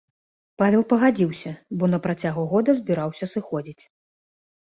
Павел пагадзіўся, бо на працягу года збіраўся сыходзіць.